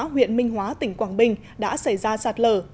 huyện minh hóa tỉnh quảng bình đã xảy ra sạt lở